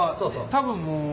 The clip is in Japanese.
多分もう。